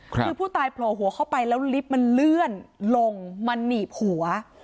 คือผู้ตายโผล่หัวเข้าไปแล้วลิฟต์มันเลื่อนลงมันหนีบหัว